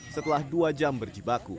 setelah dua jam berjibaku